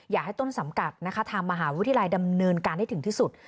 อยากให้ต้นสังกัดนะคะทางมหาวิทยาลัยดำเนินการให้ถึงที่สุด